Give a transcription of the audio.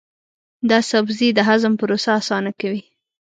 دا سبزی د هضم پروسه اسانه کوي.